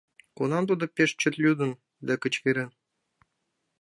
Кунам тудо пеш чот лӱдын да кычкырен?